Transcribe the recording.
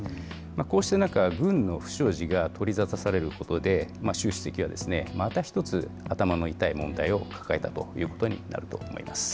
こうした中、軍の不祥事が取り沙汰されることで、習主席は、また１つ、頭の痛い問題を抱えたということになると思います。